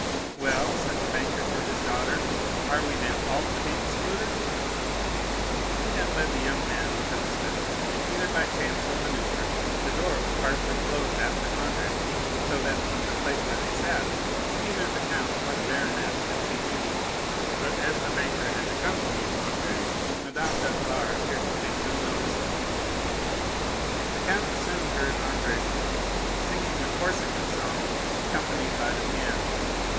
"Well," said the banker to his daughter, "are we then all to be excluded?" He then led the young man into the study, and either by chance or manœuvre the door was partially closed after Andrea, so that from the place where they sat neither the Count nor the baroness could see anything; but as the banker had accompanied Andrea, Madame Danglars appeared to take no notice of it. The count soon heard Andrea's voice, singing a Corsican song, accompanied by the piano.